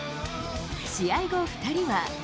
試合後、２人は。